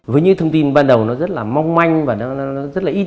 với những thông tin ban đầu nó rất là mong manh và nó rất là in